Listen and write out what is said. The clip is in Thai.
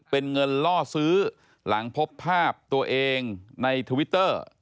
เป็นเงินล่อซื้อหลังพบภาพตัวเองในทวิตเตอร์